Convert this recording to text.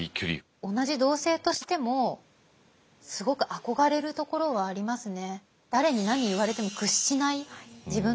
同じ同性としてもすごく憧れるところはありますね。